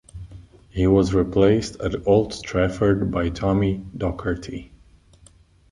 He was replaced at Old Trafford by Tommy Docherty.